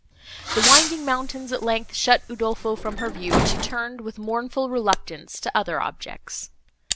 The winding mountains, at length, shut Udolpho from her view, and she turned, with mournful reluctance, to other objects.